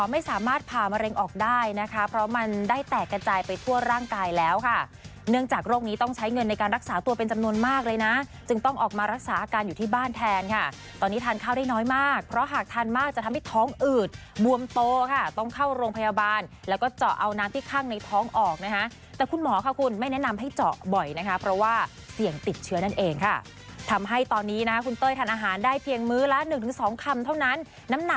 คุณหมอไม่สามารถผ่ามะเร็งออกได้นะคะเพราะมันได้แตกกระจายไปทั่วร่างกายแล้วค่ะเนื่องจากโรคนี้ต้องใช้เงินในการรักษาตัวเป็นจำนวนมากเลยนะจึงต้องออกมารักษาการอยู่ที่บ้านแทนค่ะตอนนี้ทานข้าวได้น้อยมากเพราะหากทานมากจะทำให้ท้องอืดบวมโตค่ะต้องเข้าโรงพยาบาลแล้วก็เจาะเอาน้ำที่ข้างในท้องออกนะฮะแต่คุณหม